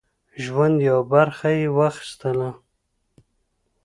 ژوند یوه برخه یې واخیستله.